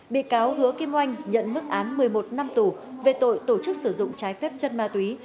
bị cáo hứa kim oanh nhận mức án một mươi một năm tù về tội tổ chức sử dụng trái phép chất ma túy